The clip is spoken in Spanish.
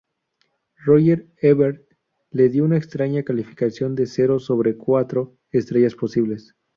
Roger Ebert le dio una extraña calificación de cero sobre cuatro estrellas posibles.